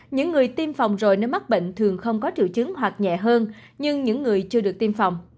những người tiêm phòng rồi nếu mắc bệnh thường không có triệu chứng hoặc nhẹ hơn nhưng những người chưa được tiêm phòng